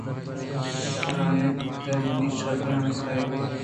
درّائینتے منی شرّیں ہمسائگ